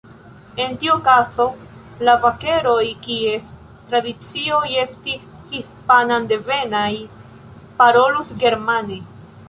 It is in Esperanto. En tiu okazo, la vakeroj, kies tradicioj estis hispandevenaj, parolus germane.